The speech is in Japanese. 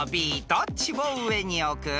どっちを上に置く？］